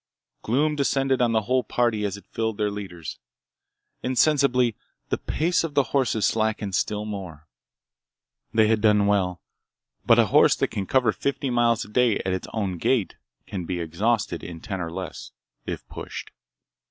Gloom descended on the whole party as it filled their leaders. Insensibly, the pace of the horses slackened still more. They had done well. But a horse that can cover fifty miles a day at its own gait, can be exhausted in ten or less, if pushed.